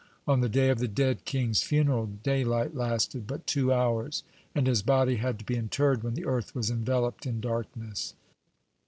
On the day of the dead king's funeral daylight lasted but two hours, and his body had to be interred when the earth was enveloped in darkness.